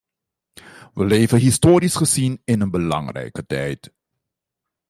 Wij leven historisch gezien in een belangrijke tijd.